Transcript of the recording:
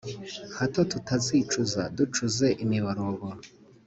Hato tutazicuza ducuze imiborogo